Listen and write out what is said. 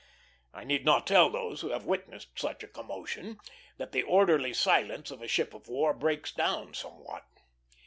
I need not tell those who have witnessed such a commotion that the orderly silence of a ship of war breaks down somewhat.